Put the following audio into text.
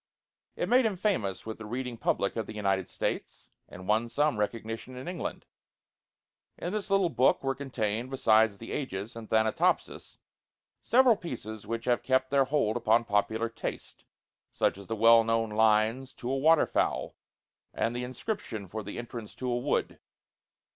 It made him famous with the reading public of the United States, and won some recognition in England. In this little book were contained, besides 'The Ages' and 'Thanatopsis,' several pieces which have kept their hold upon popular taste; such as the well known lines 'To a Waterfowl' and the 'Inscription for the Entrance to a Wood.'